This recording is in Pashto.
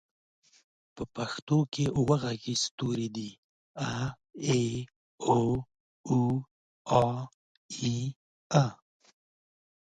په پښتو کې اووه غږيز توري دي: اَ، اِ، اُ، اٗ، اٰ، اٖ، أ.